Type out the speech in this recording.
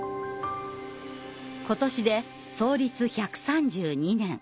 今年で創立１３２年。